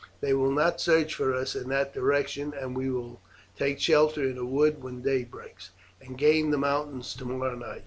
They will not search for us in that direction, and we will take shelter in a wood when day breaks, and gain the mountains tomorrow night.